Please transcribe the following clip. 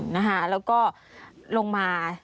นะฮะแล้วก็ลงมา